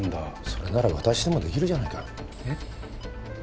それなら私でも出来るじゃないか。